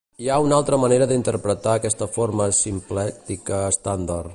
Hi ha una altra manera d'interpretar aquesta forma simplèctica estàndard.